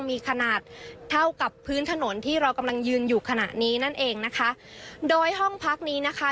มีขนาดเท่ากับพื้นถนนที่เรากำลังยืนอยู่ขณะนี้นั่นเองนะคะโดยห้องพักนี้นะคะ